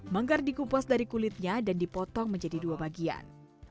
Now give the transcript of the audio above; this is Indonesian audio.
manggar dikupas dari kulitnya dan dipotong menjadi dua bagian